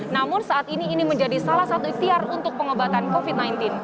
namun saat ini ini menjadi salah satu ikhtiar untuk pengobatan covid sembilan belas